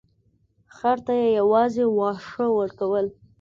خر ته یې یوازې واښه ورکول.